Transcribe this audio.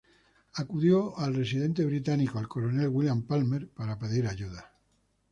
Acudió al residente británico, el coronel William Palmer, para pedir ayuda.